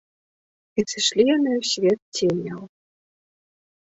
І сышлі яны ў свет ценяў.